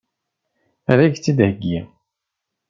Ad k-tt-id-theggi?